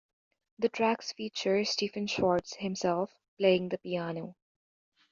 The tracks feature Stephen Schwartz himself playing the piano.